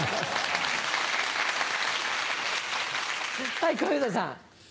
はい小遊三さん。